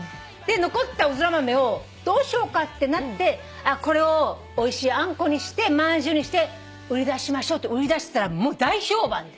残ったうずら豆をどうしようかってなってこれをおいしいあんこにして饅頭にして売り出しましょうって売り出したらもう大評判で。